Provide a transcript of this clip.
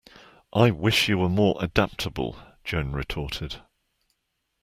I wish you were more adaptable, Joan retorted.